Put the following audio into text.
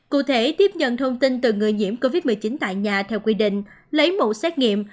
cụ thể tiếp nhận thông tin từ người nhiễm covid một mươi chín tại nhà theo quy định lấy mẫu xét nghiệm